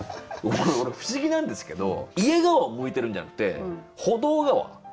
俺不思議なんですけど家側を向いてるんじゃなくて歩道側。